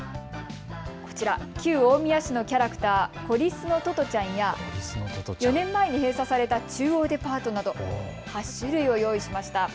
こちら、旧大宮市のキャラクター、こりすのトトちゃんや４年前に閉鎖された中央デパートなど８種類を用意しました。